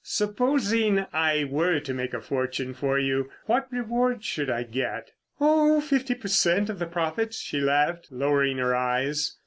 "Supposing I were to make a fortune for you, what reward should I get?" "Oh, fifty per cent. of the profits," she laughed, lowering her eyes.